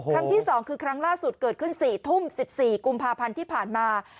ครั้งที่๒คือครั้งล่าสุดเกิดขึ้น๔ทุ่ม๑๔กุมภาพันธ์ที่ผ่านมา